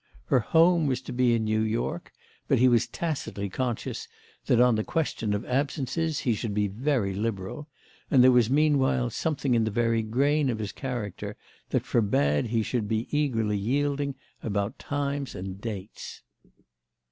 Her home was to be in New York; but he was tacitly conscious that on the question of absences he should be very liberal, and there was meanwhile something in the very grain of his character that forbade he should be eagerly yielding about times and dates.